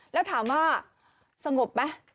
แล้วถามว่าสงบไหม